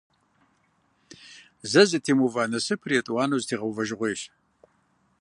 Зэ зэтемыува насыпыр етӀуанэу зэтегъэувэжыгъуейщ.